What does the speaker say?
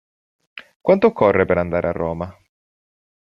Quanto occorre per andare a Roma?